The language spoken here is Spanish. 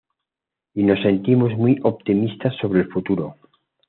Y nos sentimos muy optimistas sobre el futuro.